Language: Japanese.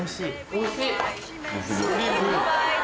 おいしいね。